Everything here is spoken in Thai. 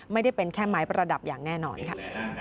ไม่ได้เป็นแค่ไม้ประดับอย่างแน่นอนค่ะ